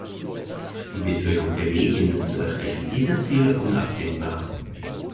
Die Mitwirkung der Medien ist zur Erreichung dieser Ziele unabdingbar.